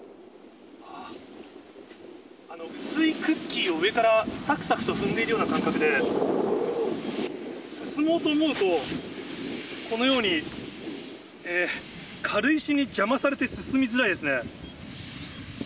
あっ、薄いクッキーを上から、さくさくと踏んでいるような感覚で、進もうと思うと、このように軽石に邪魔されて進みづらいですね。